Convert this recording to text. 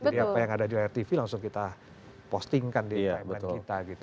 jadi apa yang ada di layar tv langsung kita postingkan di timeline kita gitu